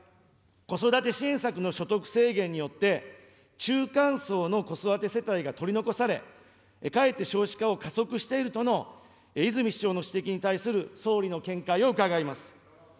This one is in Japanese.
子育て支援策の所得制限によって、中間層の子育て世帯が取り残され、かえって少子化を加速しているとの泉市長の指摘に対する総理の見解を伺います。